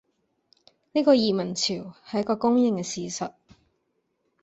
呢個移民潮，係一個公認嘅事實